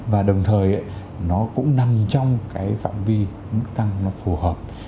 và đồng thời nó cũng nằm trong cái phạm vi mức tăng nó phù hợp